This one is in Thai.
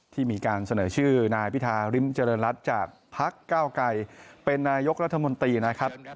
ที่มีการเสนอชื่อนายพิธาริมเจริญรัฐจากพักเก้าไกรเป็นนายกรัฐมนตรีนะครับ